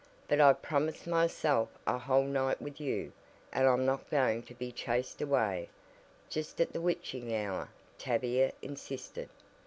"But I've promised myself a whole night with you, and I'm not going to be chased away, just at the witching hour," Tavia insisted.